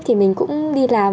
thì mình cũng đi làm